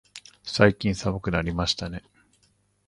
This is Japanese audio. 最近寒くなりましたね。